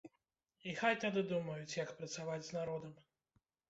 І хай тады думаюць, як працаваць з народам.